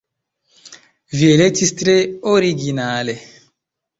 Vi elektis tre originale!